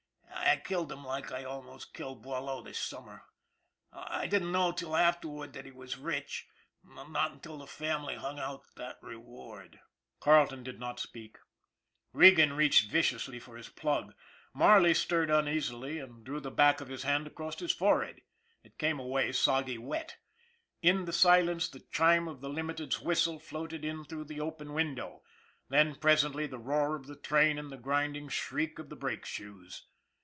I killed him like I almost killed Boileau this summer. I didn't know till after ward that he was rich, not until the family hung out that reward." Carleton did not speak. Regan reached viciously for his plug. Marley stirred uneasily, and drew the MARLEY 235 back of his hand across his forehead. It came away soggy wet. In the silence the chime of the Limited's whistle floated in through the open window, then, presently, the roar of the train and the grinding shriek of the brake shoes.